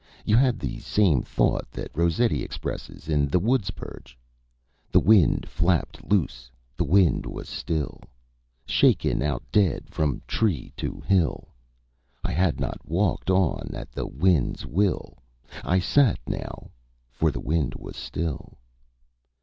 You had the same thought that Rossetti expresses in 'The Woodspurge': 'The wind flapped loose, the wind was still, Shaken out dead from tree to hill; I had walked on at the wind's will, I sat now, for the wind was still.'